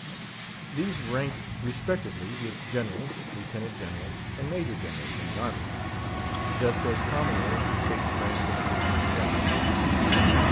These rank respectively with Generals, Lieutenant Generals, and Major Generals in the army; just as Commodore takes rank with a Brigadier General.